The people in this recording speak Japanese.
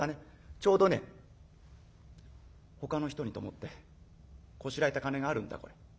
ちょうどねほかの人にと思ってこしらえた金があるんだこれ。